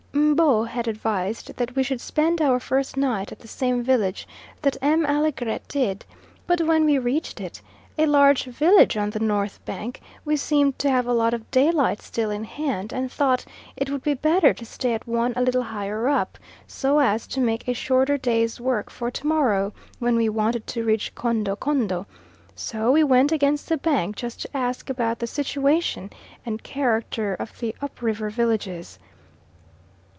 M'bo had advised that we should spend our first night at the same village that M. Allegret did: but when we reached it, a large village on the north bank, we seemed to have a lot of daylight still in hand, and thought it would be better to stay at one a little higher up, so as to make a shorter day's work for to morrow, when we wanted to reach Kondo Kondo; so we went against the bank just to ask about the situation and character of the up river villages.